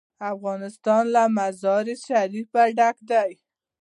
افغانستان له مزارشریف ډک دی.